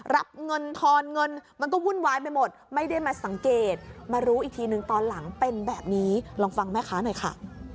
รับเงินทอนเงินมันก็วุ่นวายไปหมดไม่ได้มาสังเกตมารู้อีกทีหนึ่งตอนหลังเป็นแบบนี้ลองฟังแม่ค้าหน่อยค่ะ